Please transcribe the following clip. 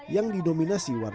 yang didominasi warga